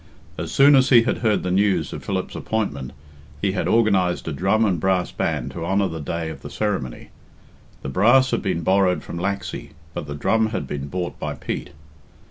As soon as he had heard the news of Philip's appointment he had organised a drum and brass band to honour the day of the ceremony. The brass had been borrowed from Laxey, but the drum had been bought by Pete.